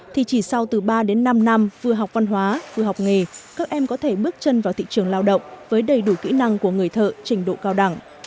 thì chỉ sau từ ba đến năm năm vừa học văn hóa vừa học nghề các em có thể bước chân vào thị trường lao động với đầy đủ kỹ năng của người thợ trình độ cao đẳng